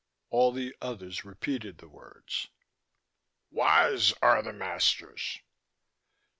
All the others repeated the words. "Wise are the masters."